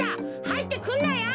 はいってくんなよ！